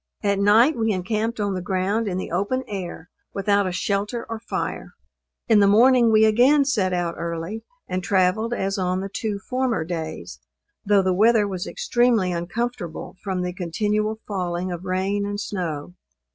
At night we encamped on the ground in the open air, without a shelter or fire. In the morning we again set out early, and travelled as on the two former days, though the weather was extremely uncomfortable, from the continual falling of rain and snow.